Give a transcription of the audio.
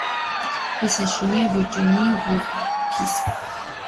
ვის ეშინია ვირჯინია ვულფის?